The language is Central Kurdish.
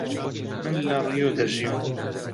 من لە ڕیۆ دەژیم.